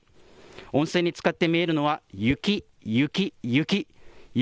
温泉につかって見えるのは雪、雪、雪。